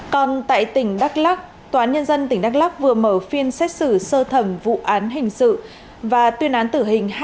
còn tại tỉnh đắk lắc tòa án nhân dân tỉnh đắk lắc vừa mở phiên xét xử sơ thẩm vụ án hình sự và tuyên án tử hình